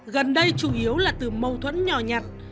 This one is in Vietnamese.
gần đây chủ yếu là từ mâu thuẫn nhỏ nhặt